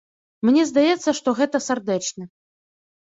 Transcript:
Мне здаецца, што гэта сардэчны.